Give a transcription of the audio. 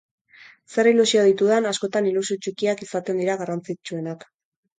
Zer ilusio ditudan, askotan ilusio txikiak izaten dira garrantzitzuenak.